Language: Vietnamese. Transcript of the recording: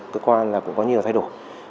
cơ quan là cũng có nhiều thay đổi